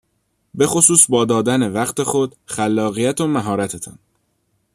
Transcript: به خصوص با دادن وقت خود، خلاقیت و مهارتتان.